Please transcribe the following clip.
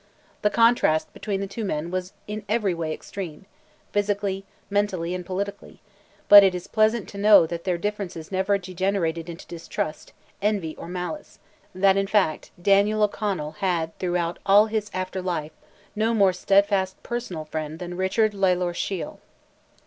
The contrast between the two men was every way extreme; physically, mentally, and politically; but it is pleasant to know that their differences never degenerated into distrust, envy or malice; that, in fact, Daniel O'Connell had throughout all his after life no more steadfast personal friend than Richard Lalor Shiel.